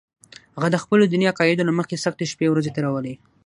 هغه د خپلو دیني عقایدو له امله سختې شپې ورځې تېرولې